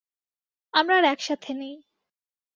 আমরা আর একসাথে নেই।